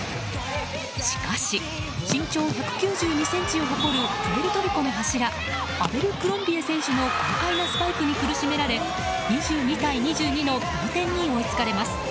しかし、身長１９２ｃｍを誇るプエルトリコの柱アベルクロンビエ選手の豪快なスパイクに苦しめられ２２対２２の同点に追いつかれます。